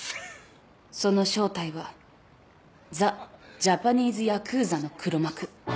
その正体はザ・ジャパニーズヤクーザの黒幕。